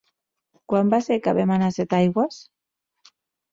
Quan va ser que vam anar a Setaigües?